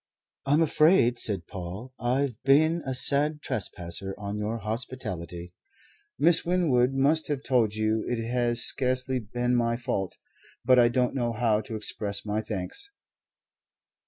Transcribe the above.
"I'm afraid," said Paul, "I've been a sad trespasser on your hospitality. Miss Winwood must have told you it has scarcely been my fault; but I don't know how to express my thanks."